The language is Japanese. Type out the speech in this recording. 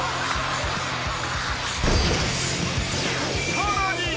［さらに］